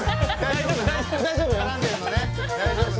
大丈夫？